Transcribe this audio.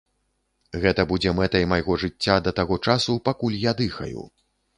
Гэта будзе мэтай майго жыцця да таго часу, пакуль я дыхаю.